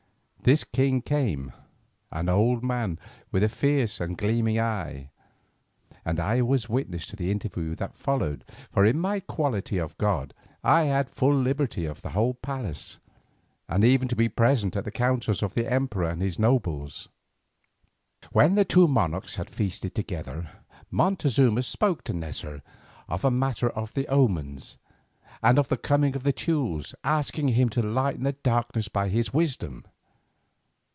This king came, an old man with a fierce and gleaming eye, and I was witness to the interview that followed, for in my quality of god I had full liberty of the palace, and even to be present at the councils of the emperor and his nobles. When the two monarchs had feasted together, Montezuma spoke to Neza of the matter of the omens and of the coming of the Teules, asking him to lighten the darkness by his wisdom.